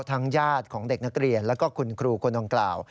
ญาติของเด็กนักเรียนแล้วก็คุณครูคนดังกล่าว